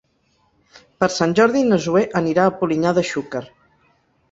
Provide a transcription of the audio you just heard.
Per Sant Jordi na Zoè anirà a Polinyà de Xúquer.